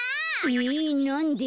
えなんで？